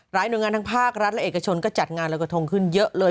หน่วยงานทั้งภาครัฐและเอกชนก็จัดงานรอยกระทงขึ้นเยอะเลย